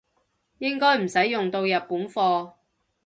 應該唔使用到日本貨